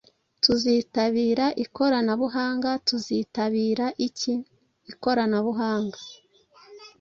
Tuzitabira ikoranabuhanga. Tuzitabira iki? Ikoranabuhanga